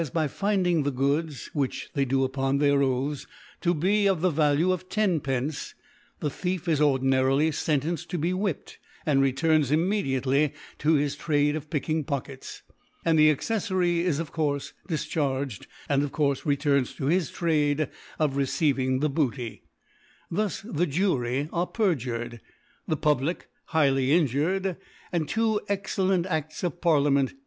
by finding the Goods (which they do upon their Oaths) to be of the Vaki^ of Tenpence^ the Thief is ordinarily fentenced to be whipt, and returns immtdiately to his Trade of picking Pockets, and the^cceifaty is of CDUiie difcbarged, and of CQurfe returns to his Trade of receiving the Booty: Thus thiB Jury afe pegured, the; Public highly^n jured, and two excellent Adts of ParliamenC defeated.